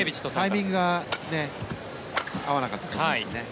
タイミングが合わなかったと思いますね。